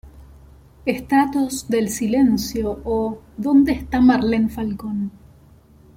Estratos del silencio o ¿dónde está Marlene Falcón?